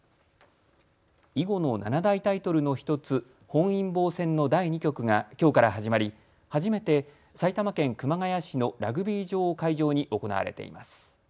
囲碁の七大タイトルの１つ、本因坊戦の第２局がきょうから始まり初めて埼玉県熊谷市のラグビー場を会場に行われています。